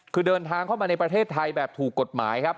คือเดินทางเข้ามาในประเทศไทยแบบถูกกฎหมายครับ